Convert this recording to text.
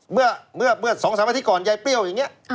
เมื่อ๒๓ปีก่อนใยเปรี้ยวอย่างนี้